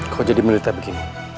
kau jadi militer begini